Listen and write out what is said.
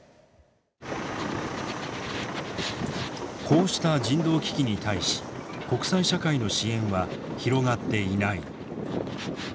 こうした人道危機に対し国際社会の支援は広がっていない。